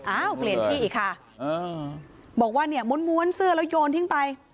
อ้าวเปลี่ยนที่อีกค่ะบอกว่าเนี่ยม้วนเสื้อแล้วโยนทิ้งไป